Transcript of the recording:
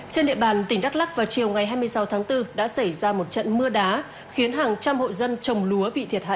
trên địa bàn tỉnh đắk lắc vào chiều ngày hai mươi sáu tháng bốn đã xảy ra một trận mưa đá khiến hàng trăm hộ dân trồng lúa bị thiệt hại